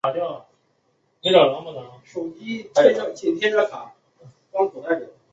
皮姆利科圣加百列堂位于华威广场西南侧。